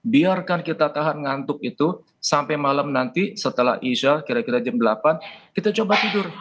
biarkan kita tahan ngantuk itu sampai malam nanti setelah isya kira kira jam delapan kita coba tidur